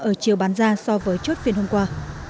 ở chiều bán ra so với chốt phiên hôm qua